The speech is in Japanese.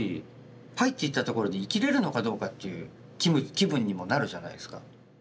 入っていったところで生きれるのかどうかっていう気分にもなるじゃないですか。